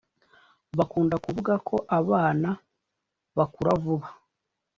Bakunda kuvuga ko abana bakura vuba